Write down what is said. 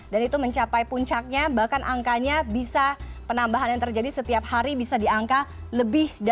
dan itu mencapai puncaknya bahkan angkanya bisa penambahan yang terjadi setiap hari bisa diangka lebih banyak